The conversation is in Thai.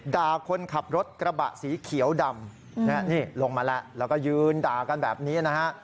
ด่าคนขับรถกระบะสีเขียวดำนี่ลงมาแล้วแล้วก็ยืนด่ากันแบบนี้นะฮะ